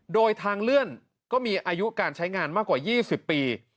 โดยทางเลื่อนก็มีอายุการใช้งานมากกว่า๒๐ปี